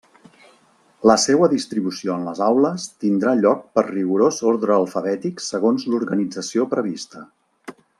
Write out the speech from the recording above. La seua distribució en les aules tindrà lloc per rigorós orde alfabètic segons l'organització prevista.